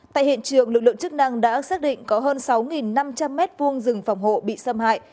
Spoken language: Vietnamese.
tại hiện trường lực lượng chức năng đã xác định có hơn sáu năm trăm linh m hai rừng phòng hộ bị xâm hại